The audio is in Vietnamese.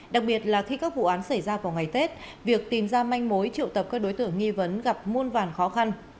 đặc biệt là khi các vụ án xảy ra vào ngày tết việc tìm ra manh mối triệu tập các đối tượng nghi vấn gặp muôn vàn khó khăn